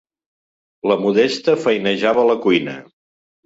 La Modesta feinejava a la cuina.